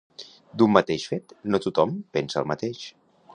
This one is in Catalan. D'un mateix fet no tothom pensa el mateix